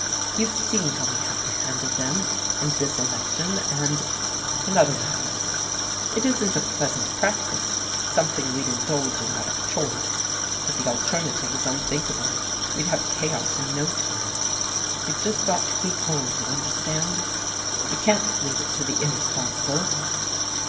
You've seen how we have to handle them, in this election and in other matters. It isn't a pleasant practice, something we'd indulge in out of choice, but the alternative is unthinkable. We'd have chaos in no time. We've just got to keep hold, you understand we can't leave it to the irresponsible."